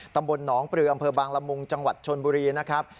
ตำบลหนองปลืออำเภอบางละมุงจังหวัดชนบุรีนะครับ